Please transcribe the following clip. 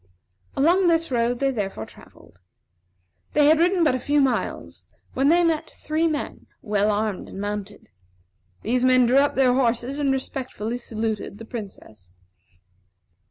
Along this road they therefore travelled. They had ridden but a few miles when they met three men, well armed and mounted. These men drew up their horses, and respectfully saluted the Princess.